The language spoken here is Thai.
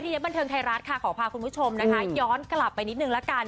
ทีนี้บันเทิงไทยรัฐขอพาคุณผู้ชมย้อนกลับไปนิดนึงละกัน